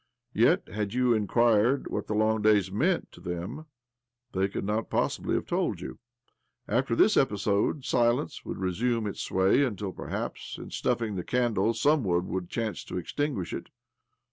Yet, had you inquired what the long days meant to them, they could not possibly have told you ! After this episode silence would resume its sway, until, perhaps, in snuffing the candle, some one would chance to extinguish it.